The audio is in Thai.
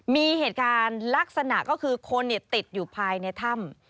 มีเหตุการณ์ลักษณะก็คือคนติดอยู่ภายในถ้ำ